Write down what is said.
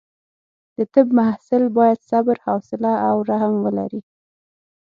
د طب محصل باید صبر، حوصله او رحم ولري.